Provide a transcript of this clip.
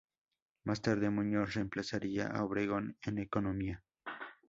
Más tarde, Muñoz reemplazaría a Obregón en Economía.